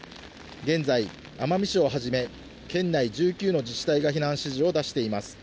現在、奄美市をはじめ、県内１９の自治体が避難指示を出しています。